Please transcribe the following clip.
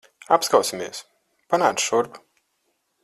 Apskausimies. Panāc šurp.